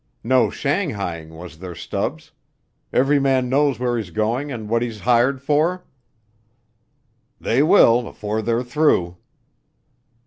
No shanghaiing, was there, Stubbs? Every man knows where he's going and what he's hired for?" "They will afore they're through."